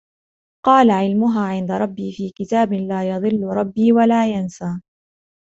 قَالَ عِلْمُهَا عِنْدَ رَبِّي فِي كِتَابٍ لَا يَضِلُّ رَبِّي وَلَا يَنْسَى